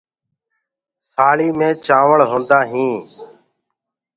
سآݪينٚ مي چآوݪ ہوندآ هينٚ۔